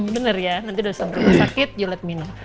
bener ya nanti langsung ke rumah sakit you let me know